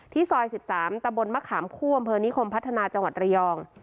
ที่ซอยสิบสามตำบลมะขามคู่บริเวณบริคมพัฒนาจังหวัดระยอง